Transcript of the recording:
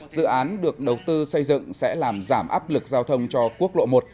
dự án được đầu tư xây dựng sẽ làm giảm áp lực giao thông cho quốc lộ một